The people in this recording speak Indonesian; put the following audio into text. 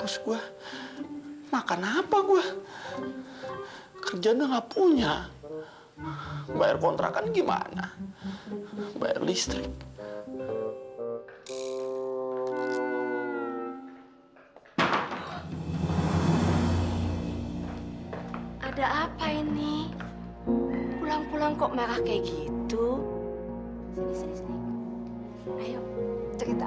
sampai jumpa di video selanjutnya